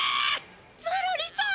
ゾロリさん！